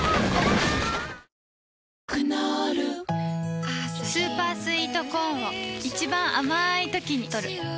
クノールスーパースイートコーンを一番あまいときにとる